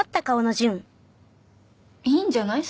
いいんじゃない？